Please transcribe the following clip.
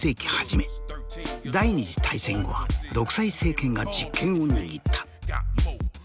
第２次大戦後は独裁政権が実権を握った。